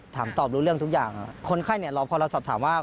ถามตอบรู้เรื่องทุกอย่างคนไข้เนี่ยเราพอเราสอบถามว่า